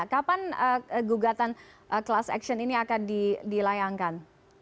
kapan gugatan kelas aksi ini akan dilayangkan